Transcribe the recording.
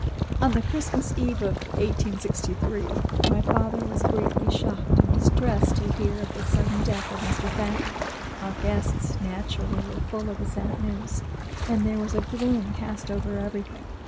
'" On the Christmas Eve of 1863 my father was greatly shocked and distressed to hear of the sudden death of Mr. Thackeray. Our guests, naturally, were full of the sad news, and there was a gloom cast over everything.